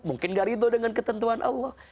mungkin gak ridho dengan ketentuan allah